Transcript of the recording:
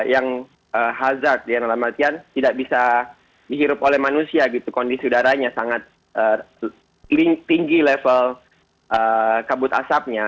yang hazard yang dalam artian tidak bisa dihirup oleh manusia gitu kondisi udaranya sangat tinggi level kabut asapnya